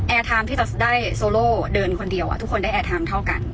แอร์ทามที่จะได้โซโลเดินคนเดียวอ่ะทุกคนได้แอร์ทามเท่ากัน